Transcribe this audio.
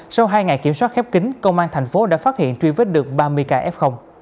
sau hai ngày kiểm soát khép kính công an thành phố đã phát hiện truy vết được ba mươi k